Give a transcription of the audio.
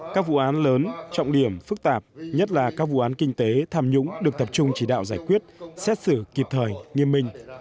các vụ án lớn trọng điểm phức tạp nhất là các vụ án kinh tế tham nhũng được tập trung chỉ đạo giải quyết xét xử kịp thời nghiêm minh